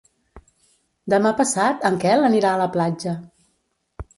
Demà passat en Quel anirà a la platja.